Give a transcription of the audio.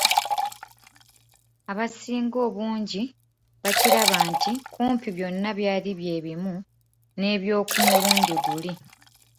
Abasinga obungi baakiraba nti kumpi byonna byali bye bimu n’eby'oku mulundi guli.